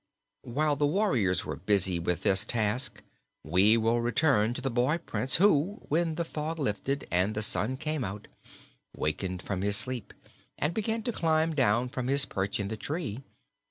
While the warriors were busy with this task we will return to the boy Prince, who, when the fog lifted and the sun came out, wakened from his sleep and began to climb down from his perch in the tree.